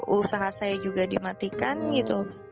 usaha saya juga dimatikan gitu